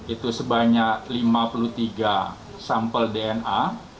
itu sebanyak lima puluh tiga sampel dna